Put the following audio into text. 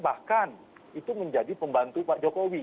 bahkan itu menjadi pembantu pak jokowi sebagai presiden